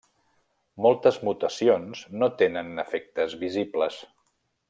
Moltes mutacions no tenen efectes visibles.